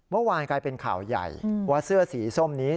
เมื่อวานกลายเป็นข่าวใหญ่ว่าเสื้อสีส้มนี้